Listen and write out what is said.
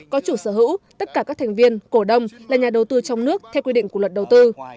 có chủ sở hữu tất cả các thành viên cổ đông là nhà đầu tư trong nước theo quy định của luật đầu tư